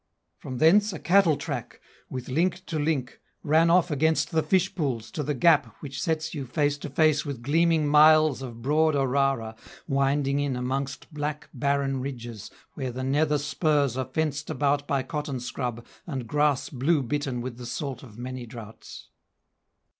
From thence a cattle track, with link to link, Ran off against the fish pools to the gap Which sets you face to face with gleaming miles Of broad Orara*, winding in amongst Black, barren ridges, where the nether spurs Are fenced about by cotton scrub, and grass Blue bitten with the salt of many droughts. * A tributary of the river Clarence, N.S.